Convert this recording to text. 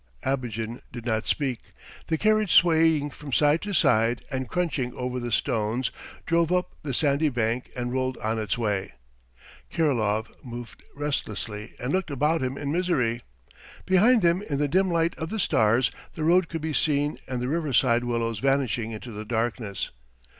Abogin did not speak. The carriage swaying from side to side and crunching over the stones drove up the sandy bank and rolled on its way. Kirilov moved restlessly and looked about him in misery. Behind them in the dim light of the stars the road could be seen and the riverside willows vanishing into the darkness.